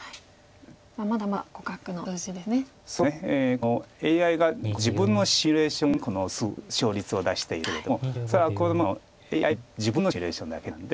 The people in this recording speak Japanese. このＡＩがこれ自分のシミュレーションでこの勝率を出しているんですけれどもそれはＡＩ自分のシミュレーションだけなんで。